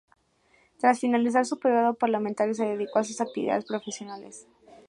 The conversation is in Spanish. Tras finalizar su período parlamentario, se dedicó a sus actividades profesionales.